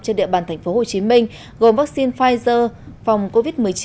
trên địa bàn tp hồ chí minh gồm vaccine pfizer phòng covid một mươi chín